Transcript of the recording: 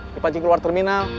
dipancing keluar terminal